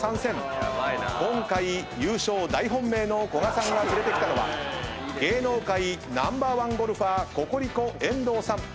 今回優勝大本命の古閑さんが連れてきたのは芸能界ナンバーワンゴルファーココリコ遠藤さん。